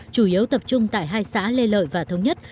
chủ yếu tập trung tại hai xã lê lợi và thống nhất